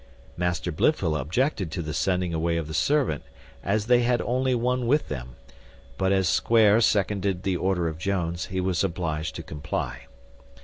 Master Blifil objected to the sending away the servant, as they had only one with them; but as Square seconded the order of Jones, he was obliged to comply.